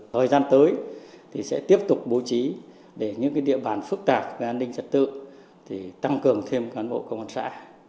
thời gian tới sẽ tiếp tục bố trí để những địa bàn phức tạp về an ninh trật tự tăng cường thêm cán bộ công an xã